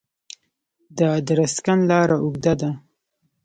د ادرسکن لاره اوږده ده